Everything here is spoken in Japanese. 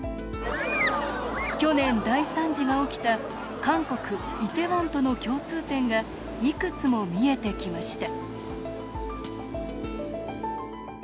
去年、大惨事が起きた韓国・イテウォンとの共通点がいくつも見えてきました。